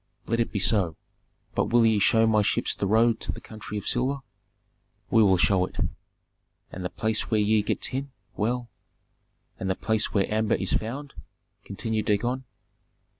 "Let it be so. But will ye show my ships the road to the country of silver?" "We will show it." "And the place where ye get tin? Well " "And the place where amber is found?" continued Dagon.